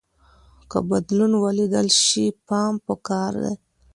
که بدلون ولیدل شي پام پکار دی.